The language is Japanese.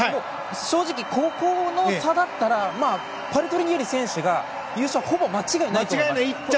ここの差だったらパルトリニエリ選手が優勝はほぼ間違いがないと思います。